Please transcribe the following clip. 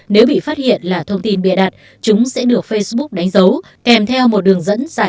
nếu bị phát hiện là thông tin bịa đặt chúng sẽ được facebook đánh dấu kèm theo một đường dẫn giải thích lý do